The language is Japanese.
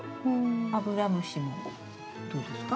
アブラムシもどうですか？